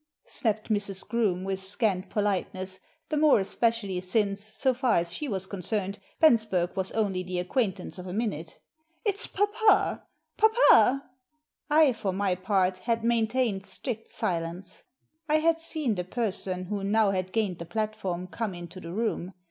snapped Mrs. Groome with scant politeness, the more especially since, so far as she was concerned, Bensbei^ was only the acquaintance of a minute. " If s papa ! Papa !" I, for my part, had maintained strict silence. I Digitized by VjOOQIC 2sS THE SEEN AND THE UNSEEN had seen the person, who now had gained the plat form, come into the room.